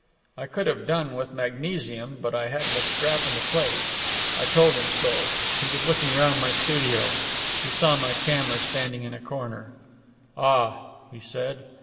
I could have done, with magnesium, but I hadn't a scrap in the place. I told him so. He was looking round my studio. He saw my camera standing in a corner. "Ah!" he said.